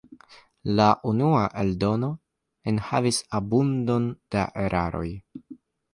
La unua eldono enhavis abundon da eraroj.